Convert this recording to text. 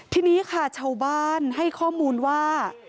ทีนี้ค่ะชาวบ้านให้ข้อมูลว่า